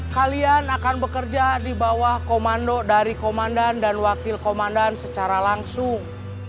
kalian akan bekerja di bawah komando dari komandan dan wakil komandan secara langsung